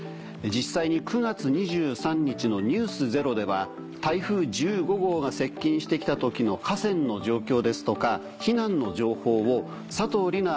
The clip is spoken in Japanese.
実際に９月２３日の『ｎｅｗｓｚｅｒｏ』では台風１５号が接近して来た時の河川の状況ですとか避難の情報を佐藤梨那